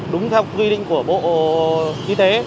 đúng theo quy định của bộ y tế